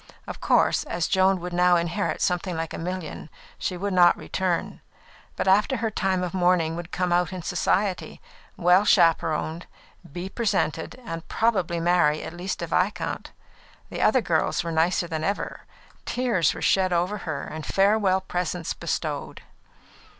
Of course, as Joan would now inherit something like a million, she would not return, but after her time of mourning would come out in Society, well chaperoned, be presented, and probably marry at least a viscount. The other girls were nicer than ever; tears were shed over her, and farewell presents bestowed.